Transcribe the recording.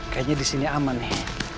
kayaknya disini aman nih